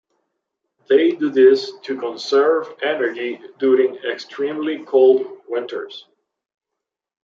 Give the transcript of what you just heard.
They do this to conserve energy during extremely cold winters.